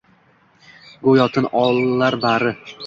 Go’yo tin olar bari.